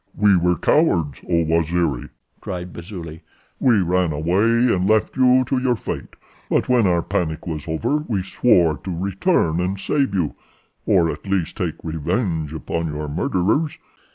"We were cowards, oh, Waziri," cried Busuli. "We ran away and left you to your fate; but when our panic was over we swore to return and save you, or at least take revenge upon your murderers.